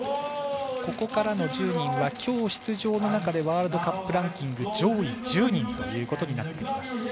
ここからの１０人はきょう出場の中でワールドカップランキング上位１０人ということになってきます。